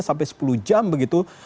sampai sepuluh jam begitu